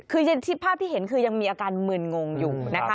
คือภาพที่เห็นคือยังมีอาการมืนงงอยู่นะคะ